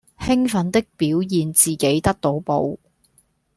與奮的表現自己得到寶